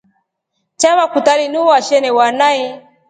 Chava kutaa linu washelewa nai?